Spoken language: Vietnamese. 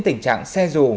tình trạng xe dù